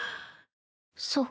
そう。